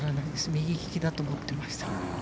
右利きだと思ってました。